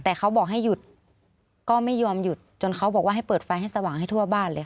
แต่เขาบอกให้หยุดก็ไม่ยอมหยุดจนเขาบอกว่าให้เปิดไฟให้สว่างให้ทั่วบ้านเลยค่ะ